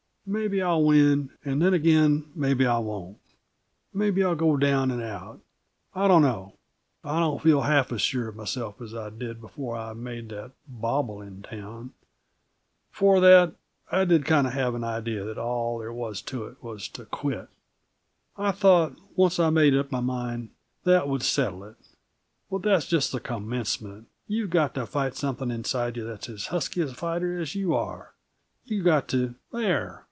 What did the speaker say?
Maybe I'll win, and then again maybe I won't. Maybe I'll go down and out. I don't know I don't feel half as sure of myself as I did before I made that bobble in town. Before that, I did kinda have an idea that all there was to it was to quit. I thought, once I made up my mind, that would settle it. But that's just the commencement; you've got to fight something inside of you that's as husky a fighter as you are. You've got to " "There!"